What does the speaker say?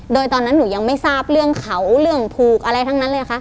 โดยตอนนั้นหนูยังไม่ทราบเรื่องเขาเรื่องผูกอะไรทั้งนั้นเลยค่ะ